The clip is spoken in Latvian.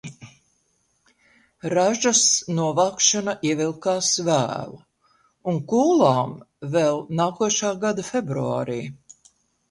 Ražas novākšana ievilkās vēlu un kūlām vēl nākošā gada februārī.